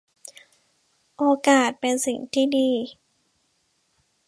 โอกาสเป็นสิ่งที่ดี